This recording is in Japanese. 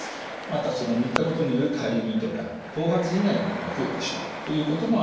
また塗ったことによるかゆみとか頭髪以外の毛が増えてしまうということもあります。